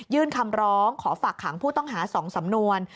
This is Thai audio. คำร้องขอฝากขังผู้ต้องหา๒สำนวน